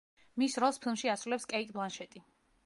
მის როლს ფილმში ასრულებს კეიტ ბლანშეტი.